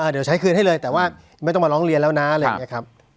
เดี๋ยวใช้คืนให้เลยแต่ว่าไม่ต้องมาร้องเรียนแล้วนะอะไรอย่างนี้ครับ